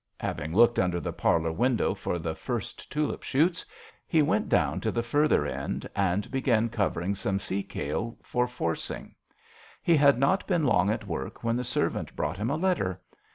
Having looked under the parlour window for the first tulip shoots, he went down to the further end and began covering some sea kale for forcing. He had not been long at work when the servant brought him a letter.